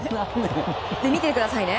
見ててくださいね。